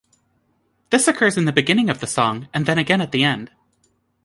This occurs in the beginning of the song, and then again at the end.